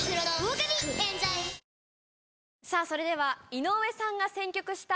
それでは井上さんが選曲した。